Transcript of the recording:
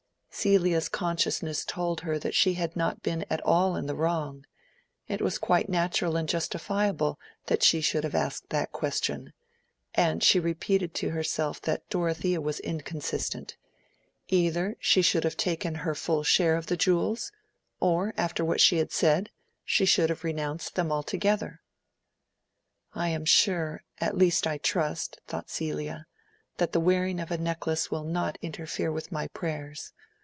Celia's consciousness told her that she had not been at all in the wrong: it was quite natural and justifiable that she should have asked that question, and she repeated to herself that Dorothea was inconsistent: either she should have taken her full share of the jewels, or, after what she had said, she should have renounced them altogether. "I am sure—at least, I trust," thought Celia, "that the wearing of a necklace will not interfere with my prayers.